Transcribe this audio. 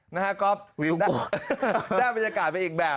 นะฮะก็วิวกดได้บรรยากาศเป็นอีกแบบ